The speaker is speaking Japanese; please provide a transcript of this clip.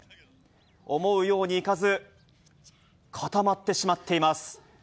思うようにいかず、固まってしまっています。